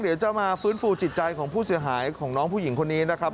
เดี๋ยวจะมาฟื้นฟูจิตใจของผู้เสียหายของน้องผู้หญิงคนนี้นะครับ